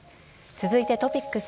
続いてトピックス。